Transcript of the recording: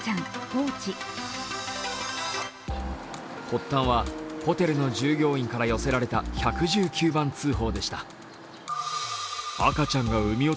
発端は、ホテルの従業員から寄せられた１１９番通報でした。